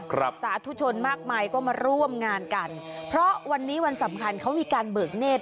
สาธุชนมากมายก็มาร่วมงานกันเพราะวันนี้วันสำคัญเขามีการเบิกเนธ